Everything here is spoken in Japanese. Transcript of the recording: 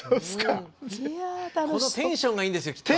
このテンションがいいんですよ